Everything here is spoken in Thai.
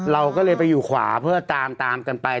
เราก็เลยไปอยู่ขวาเพื่อตามตามกันไป